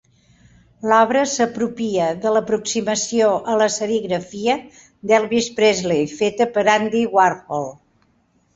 L'obra s'apropia de l'aproximació a la serigrafia d'Elvis Presley feta per Andy Warhol.